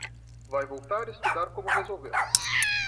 Vai voltar e estudar como resolver